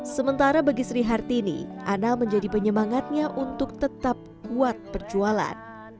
sementara bagi sri hartini ana menjadi penyemangatnya untuk tetap kuat perjualan